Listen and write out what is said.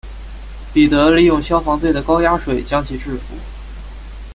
彼得利用消防队的高压水将其制伏。